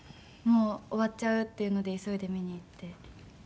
もう終わっちゃうっていうので急いで見に行って。